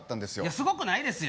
すごくないですよ